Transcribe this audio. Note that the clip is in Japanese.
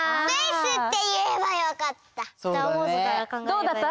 どうだった？